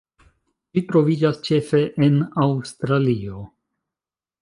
Ĝi troviĝas ĉefe en Aŭstralio.